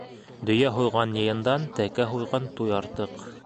Дөйә һуйған йыйындан Тәкә һуйған туй артыҡ;